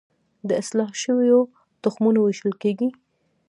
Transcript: د اصلاح شویو تخمونو ویشل کیږي